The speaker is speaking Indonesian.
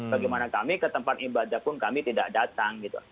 bagaimana kami ke tempat ibadah pun kami tidak datang